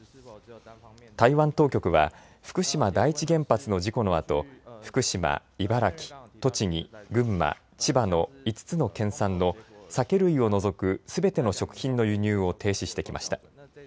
台湾当局は福島第一原発の事故のあと福島、茨城、栃木、群馬、千葉の５つの県産の酒類を除くすべての食品の輸入を停止してきました。